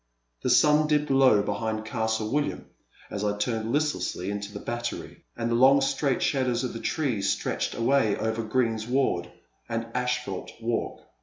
The sun dipped low behind Castle William as I turned listlessly into the Battery, and the long straight shadows of the trees stretched away over greensward and asphalt walk.